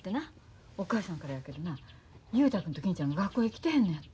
お母さんからやけどな雄太君と金ちゃんが学校へ来てへんのやって。